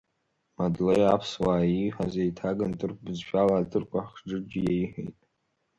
Мадлеи аԥсуа ииҳәаз еиҭаган ҭырқәбызшәала аҭырқәа хџыџ еиҳәеит.